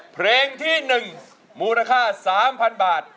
เพลงที่๑มูลค่า๓๐๐๐บาท